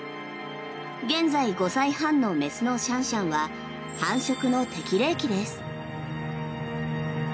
現在５歳半の雌のシャンシャンは繁殖の適齢期です。